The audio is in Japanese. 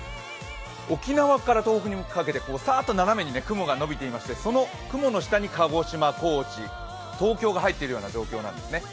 沖縄から東北にかけてさーっと斜めに雲が伸びていましてその雲の下に鹿児島、高知、東京が入っているような状況なんですね。